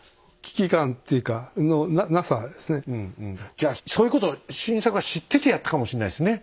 じゃそういうことを晋作は知っててやったかもしれないですね。